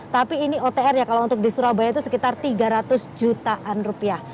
tapi ini otr ya kalau untuk di surabaya itu sekitar tiga ratus jutaan rupiah